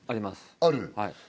ある。